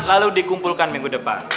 lalu dikumpulkan minggu depan